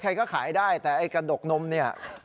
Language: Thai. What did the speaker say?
ใครก็ขายได้แต่ไอ้กระดกนมเนี่ย